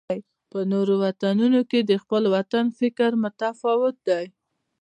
په نورو وطنونو کې د خپل وطن فکر متفاوت دی.